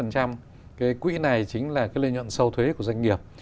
cái quỹ này chính là cái lợi nhuận sâu thuế của doanh nghiệp